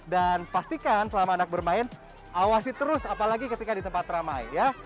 dan pastikan selama anak bermain awasi terus apalagi ketika di tempat ramai ya